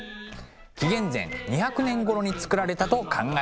紀元前２００年ごろにつくられたと考えられています。